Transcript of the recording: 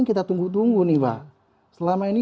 kita tunggu tunggu nih pak selama ini